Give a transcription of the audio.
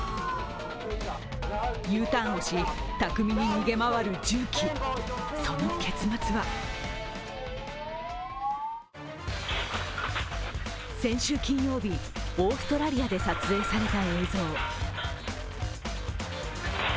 Ｕターンをし、巧みに逃げ回る重機その結末は先週金曜日、オーストラリアで撮影された映像。